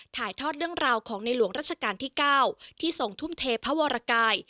ถ่ายทอดเรื่องราวของในหลวงรัชกาลที่๙ที่ทรงทุ่มเทพระวรกาย